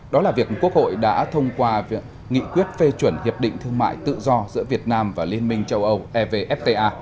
đó là việc quốc hội đã thông qua nghị quyết phê chuẩn hiệp định thương mại tự do giữa việt nam và liên minh châu âu evfta